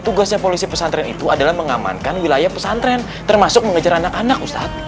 tugasnya polisi pesantren itu adalah mengamankan wilayah pesantren termasuk mengejar anak anak ustadz